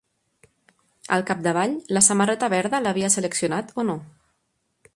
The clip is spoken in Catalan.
Al capdavall, la samarreta verda l'havia seleccionat o no?